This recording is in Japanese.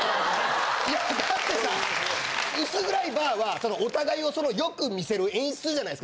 いやだってさ薄暗いバーはお互いを良く見せる演出じゃないですか。